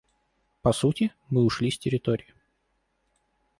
По сути, мы ушли с территории.